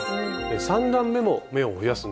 ３段めも目を増やすんですよね？